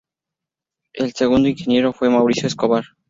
El segundo ingeniero fue Mauricio Escobar.